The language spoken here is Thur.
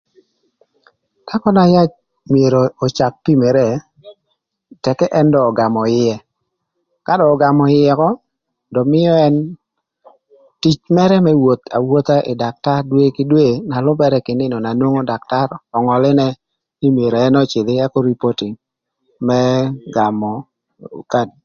Dhakö na yac myero öcak pimere, tëk ka ën do ögamö ïë, ka do ögamö ïë ökö, do mïö ën tic mërë më woth awotha ï daktar dwe kï dwe na lübërë kï nïnö na nwongo daktar öngölö nïnë nï myero ën öcïdh ëk oripoting më gamö kad.